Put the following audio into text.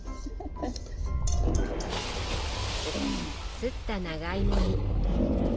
すった長いもに。